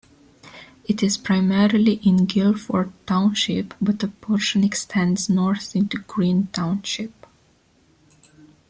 It is primarily in Guilford Township, but a portion extends north into Greene Township.